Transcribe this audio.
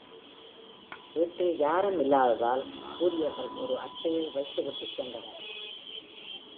வீட்டில் யாரும் இல்லாததால், கூரியர்கள் ஒரு அட்டையை வைத்துவிட்டுச் சென்றனர்.